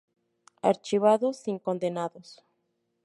Archivado sin condenados.